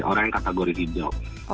orang yang kategori hijau